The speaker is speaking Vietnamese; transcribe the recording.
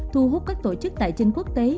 thu hút các tổ chức tài chính quốc tế